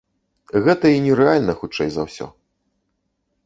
Гэта і нерэальна, хутчэй за ўсё.